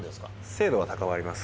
精度は高まります。